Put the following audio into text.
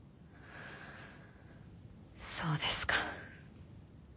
そうですか。